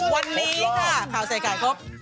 วันนี้ค่ะข่าวใส่ไข่ครบ